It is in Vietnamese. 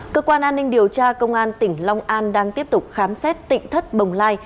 cơ quan an ninh điều tra công an tỉnh long an đang tiếp tục khám xét tỉnh thất bồng lai